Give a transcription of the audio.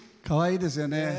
かわいいですよね。